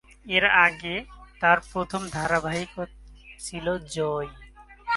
এর আগে তার প্রথম ধারাবাহিকটি ছিল জয়ী।